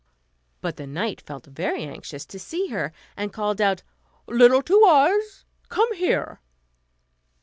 But the knight felt very anxious to see her, and called out, "Little Two Eyes, come here."